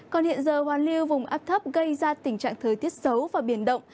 còn hiện giờ hoàn lưu vùng áp thấp gây ra tình trạng thời tiết xấu và biển động